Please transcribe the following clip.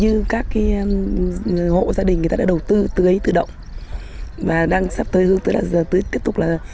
hội gia đình đã đầu tư tưới tự động và đang sắp tới hướng tới là tưới tiếp tục là